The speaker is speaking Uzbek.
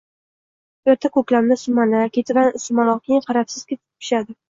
Erta ko‘klamda sumalak, ketidan ismaloq, keyin qarabsizki, tut pishadi.